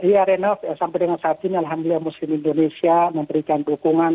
ya renov sampai dengan saat ini alhamdulillah muslim indonesia memberikan dukungan